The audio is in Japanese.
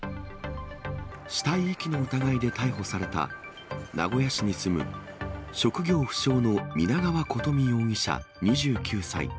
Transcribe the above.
死体遺棄の疑いで逮捕された、名古屋市に住む職業不詳の皆川琴美容疑者２９歳。